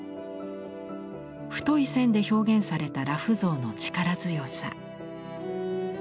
太い線で表現された裸婦像の力強さ。